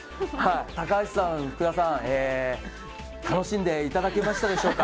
高橋さん、福田さん、楽しんでいただけましたでしょうか。